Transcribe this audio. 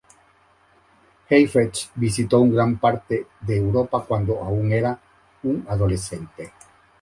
Heifetz visitó gran parte de Europa cuando aún era un adolescente.